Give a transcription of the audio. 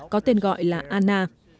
có tên gọi là ana